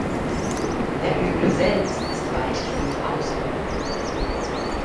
Der Hügel selbst ist weitgehend ausgehoben.